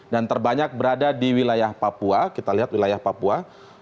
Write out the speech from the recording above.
dan terbanyak berada di wilayah papua kita lihat wilayah papua